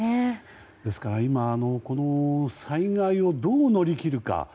ですから今、災害をどう乗り切るか。